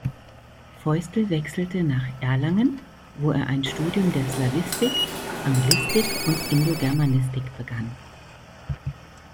Feustel wechselte nach Erlangen, wo er ein Studium der Slawistik, Anglistik und Indogermanistik begann.